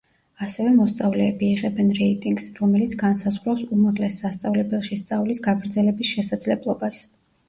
ასევე მოსწავლეები იღებენ რეიტინგს, რომელიც განსაზღვრავს უმაღლეს სასწავლებელში სწავლის გაგრძელების შესაძლებლობას.